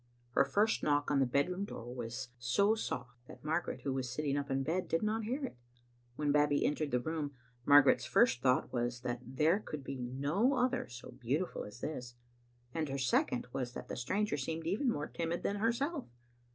Her first knock on the bedroom door was so soft that Margaret, who was sitting up in bed, did not hear it. When Babbie entered the room, Margaret's first thought was that there could be no other so beautiful as this, and her second was that the stranger seemed even more timid than herself.